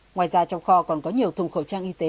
ngoài ra trong kho còn có nhiều thùng khẩu trang y tế